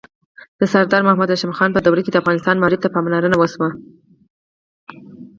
د سردار محمد هاشم خان په دوره کې د افغانستان معارف ته پاملرنه وشوه.